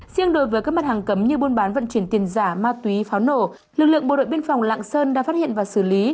riêng đối với các mặt hàng cấm như buôn bán vận chuyển tiền giả ma túy pháo nổ lực lượng bộ đội biên phòng lạng sơn đã phát hiện và xử lý